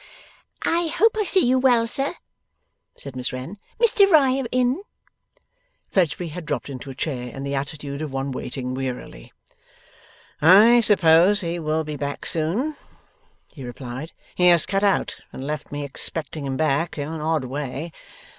'Hope I see you well, sir,' said Miss Wren. 'Mr Riah in?' Fledgeby had dropped into a chair, in the attitude of one waiting wearily. 'I suppose he will be back soon,' he replied; 'he has cut out and left me expecting him back, in an odd way.